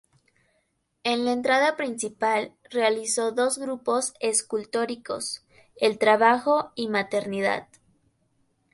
En la entrada principal, realizó dos grupos escultóricos: "El trabajo" y "Maternidad".